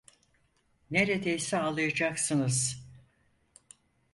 Neredeyse ağlayacaksınız!